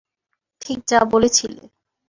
ঠিক যা বলেছিলে।